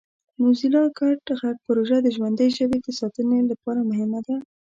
موزیلا ګډ غږ پروژه د ژوندۍ ژبې د ساتنې لپاره مهمه ده.